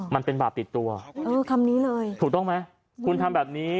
มันเป็นบาปติดตัวเออคำนี้เลยถูกต้องไหมคุณทำแบบนี้